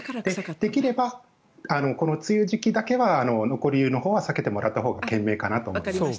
できれば梅雨時期だけは残り湯のほうは避けてもらったほうが賢明かなと思います。